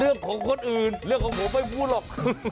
เรื่องของคนอื่นเรื่องของผมไม่พูดหรอก